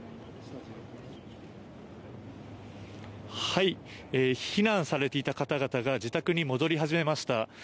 避難されていた方々が自宅に戻り始めました。